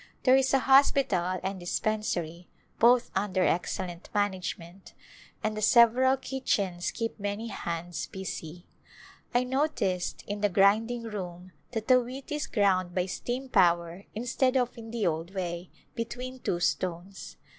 There is a hospital and dispensary, both under excellent management, and the several kitchens keep many hands busy. I noticed in the grinding room that the wheat is ground by steam power instead of in the old way, between two stones.